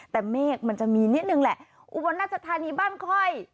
แต่เมฆมันจะมีเนี้ยนึงแหละอุบันดาษฎรณีบ้านคอย